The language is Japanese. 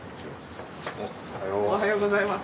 おはようございます。